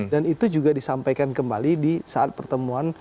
dan itu juga disampaikan kembali di saat pertemuan